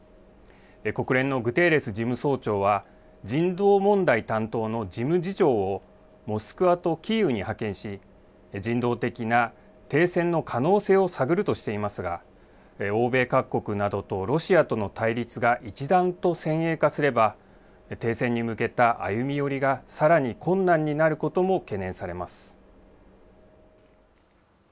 国連のグテーレス事務総長は、人道問題担当の事務次長をモスクワとキーウに派遣し、人道的な停戦の可能性を探るとしていますが、欧米各国などとロシアとの対立が一段と先鋭化すれば、停戦に向けた歩み寄りがさらに困難になることも懸念されます。